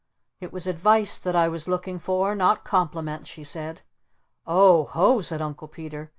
"It was advice that I was looking for, not compliments," she said. "Oh ho!" said Uncle Peter.